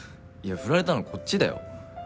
振られたのこっちだよ。